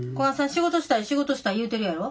仕事したい仕事したい言うてるやろ。